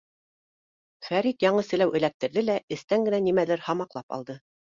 Фәрит яңы селәү эләктерҙе лә, эстән генә нимәлер һамаҡлап алды.